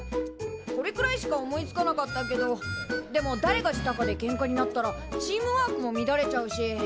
これくらいしか思いつかなかったけどでもだれがしたかでケンカになったらチームワークも乱れちゃうし。